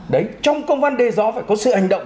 đấy trong công văn đề rõ phải có sự hành động